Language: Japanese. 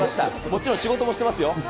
もちろん仕事もしてますよ。